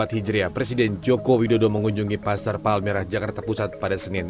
seribu empat ratus empat puluh empat hijriah presiden jokowi dodo mengunjungi pasar palmerah jakarta pusat pada senin